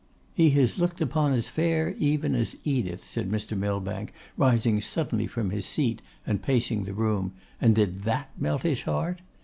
'He has looked upon as fair even as Edith,' said Mr. Millbank, rising suddenly from his seat, and pacing the room, 'and did that melt his heart?